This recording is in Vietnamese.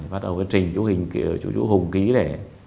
bắt đầu cái trình chú hùng ký để